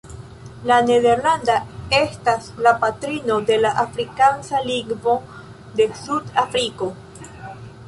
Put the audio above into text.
La nederlanda estas la patrino de la afrikansa lingvo de Sud-Afriko.